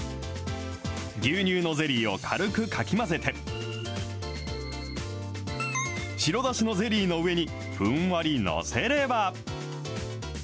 牛乳のゼリーを軽くかき混ぜて、白だしのゼリーの上にふんわり載せれば。